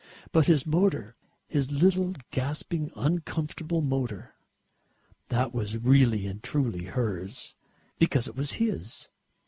But his motor his little gasping uncomfortable motor that was really and truly hers, because it was his.